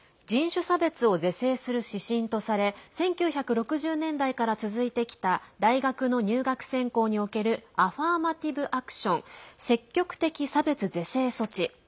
人種差別を是正する指針とされ１９６０年代から続いてきた大学の入学選考におけるアファーマティブ・アクション＝積極的差別是正措置。